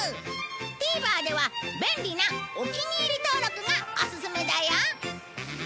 ＴＶｅｒでは便利なお気に入り登録がオススメだよ！